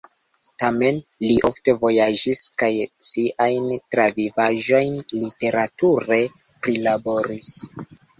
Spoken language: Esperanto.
Tamen li ofte vojaĝis kaj siajn travivaĵojn literature prilaboris.